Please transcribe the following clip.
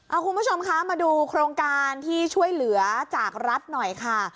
เอาคุณผู้ชมคะมาดูโครงการที่ช่วยเหลือจากรัฐหน่อยค่ะ